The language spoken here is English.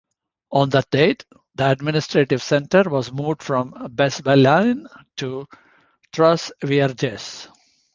On that date, the administrative centre was moved from Basbellain to Troisvierges.